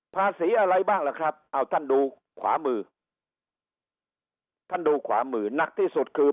ภาษีอะไรบ้างล่ะครับเอาท่านดูขวามือท่านดูขวามือหนักที่สุดคือ